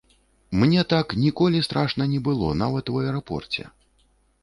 Мне так ніколі страшна не было, нават у аэрапорце.